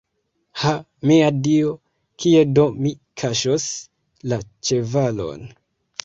Ha, mia Dio, kie do mi kaŝos la ĉevalon.